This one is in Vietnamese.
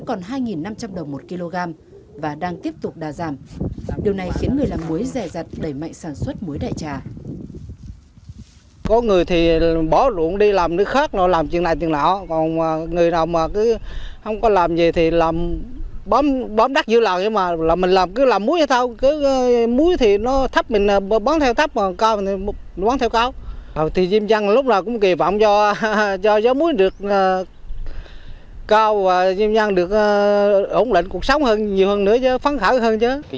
cao và dân dân được ổn lệnh cuộc sống nhiều hơn nữa phán khảo hơn chứ